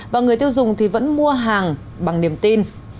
và người tiêu dùng thì vẫn mua hàng bằng niềm tin